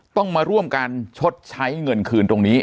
ต้องมาร่วมกันชดใช้เงินคืนตรงนี้